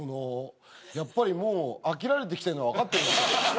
やっぱりもう飽きられて来てんのは分かってんですよ。